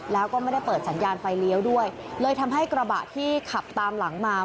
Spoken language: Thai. แล้วก็ไม่ได้เปิดสัญญาณไฟเลี้ยวด้วยเลยทำให้กระบะที่ขับตามหลังมา